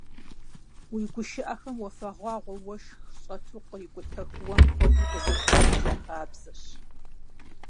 Уи гушыӀэхэм уафэгъуагъуэ уэшхым щӀэту кърикӀутэх уэм хуэдэу къызэрылъэлъ я хабзэщ.